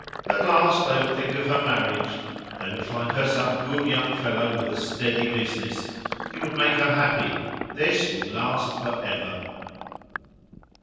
At last, they would think of her marriage; they would find her some good young fellow with a steady business; he would make her happy; this would last for ever.